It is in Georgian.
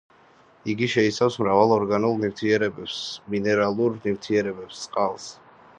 იგი შეიცავს მრავალ ორგანულ ნივთიერებებს, მინერალურ ნივთიერებებს, წყალს.